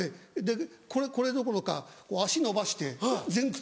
これどころか足伸ばして前屈。